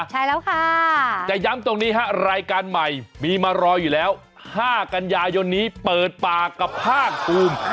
ใช่แล้วค่ะจะย้ำตรงนี้ฮะรายการใหม่มีมารออยู่แล้ว๕กันยายนนี้เปิดปากกับภาคภูมิ